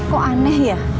kok aneh ya